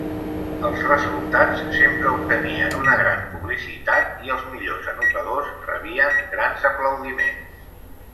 Els resultats sempre obtenien una gran publicitat i els millors anotadors rebien grans aplaudiments.